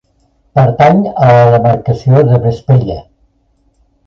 Pertany a la demarcació de Vespella.